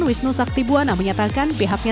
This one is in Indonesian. wisnu saktibwana menyatakan pihaknya